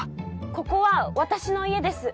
「ここは私の家です。